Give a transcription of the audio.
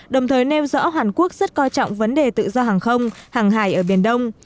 đồng thời nêu rõ hàn quốc rất coi trọng vấn đề tự do hàng không hàng hải ở biển đông